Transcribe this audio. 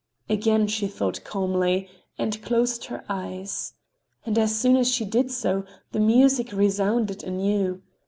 "Again," she thought calmly, and closed her eyes. And as soon as she did so the music resounded anew.